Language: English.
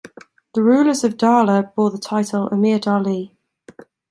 The rulers of Dhala bore the title "Amir Dali'".